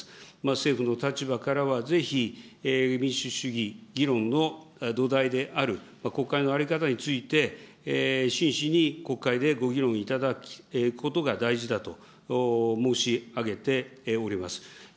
政府の立場からはぜひ民主主義議論の土台である国会の在り方について真摯に国会でご議論いただくことが大事だと申し上げております。